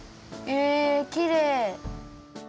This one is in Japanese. えきれい！